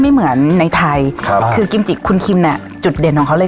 ไม่เหมือนในไทยครับคือกิมจิกคุณคิมเนี้ยจุดเด่นของเขาเลย